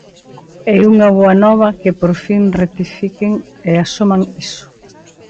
É unha boa nova que por fin rectifiquen e asuman iso.